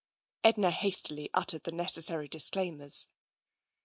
Edna hastily uttered the necessary disclaimers.